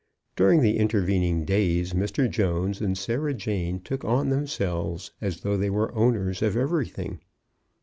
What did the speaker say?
During the intervening days Mr. Jones and Sarah Jane took on themselves as though they were owners of everything.